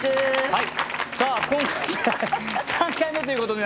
はい。